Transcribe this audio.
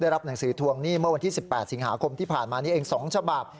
รับหนังสือทวงหนี้เมื่อวันที่๑๘สิงหาคมที่ผ่านมานี้เอง๒ฉบับ